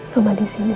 kamu di sini